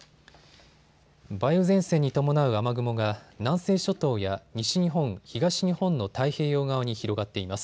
梅雨前線に伴う雨雲が南西諸島や西日本、東日本の太平洋側に広がっています。